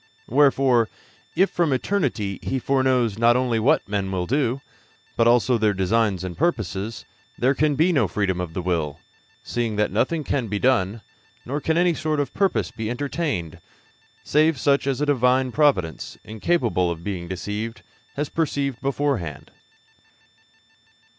Wherefore, if from eternity He foreknows not only what men will do, but also their designs and purposes, there can be no freedom of the will, seeing that nothing can be done, nor can any sort of purpose be entertained, save such as a Divine providence, incapable of being deceived, has perceived beforehand.